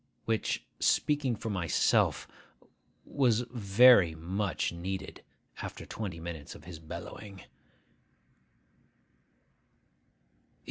which, speaking for myself, was very much needed after twenty minutes of his bellowing.